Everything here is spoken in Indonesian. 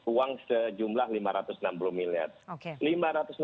uang sejumlah lima ratus enam puluh miliar